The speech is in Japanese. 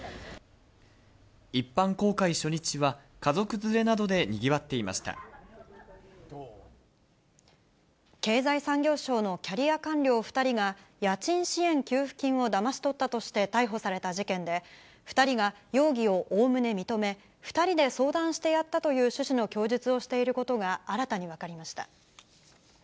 一般公開初日は、家族連れな経済産業省のキャリア官僚２人が、家賃支援給付金をだまし取ったとして逮捕された事件で、２人が容疑をおおむね認め、２人で相談してやったという趣旨の供述をしていることが新たに分かりました。